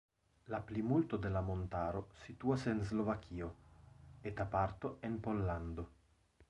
La plimulto de la montaro situas en Slovakio, eta parto en Pollando.